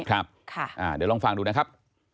เดี๋ยวลองฟังดูนะครับ